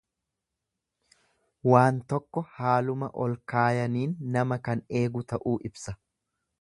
Waan tokko haaluma ol kaayaniin nama kan eegu ta'uu ibsa.